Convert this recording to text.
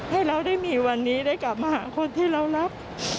ให้เราได้มีวันนี้ได้กลับมาหาคนที่เรารัก